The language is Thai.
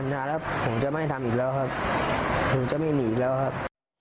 นานแล้วผมจะไม่ให้ทำอีกแล้วครับผมจะไม่หนีอีกแล้วครับ